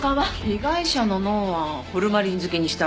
被害者の脳はホルマリン漬けにしてあるけど。